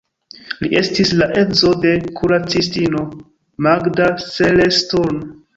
Li estis la edzo de kuracistino Magda Seres-Sturm.